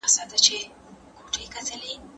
پاکې اوبه د خوړو لپاره ضروري دي.